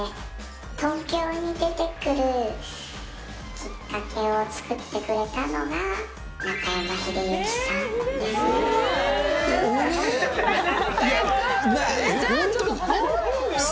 東京に出てくるきっかけを作ってくれたのが、中山秀征さんです。